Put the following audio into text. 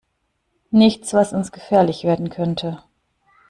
Nichts, was uns gefährlich werden könnte.